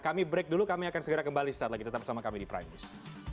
kami break dulu kami akan segera kembali setelah kita tetap bersama kami di primus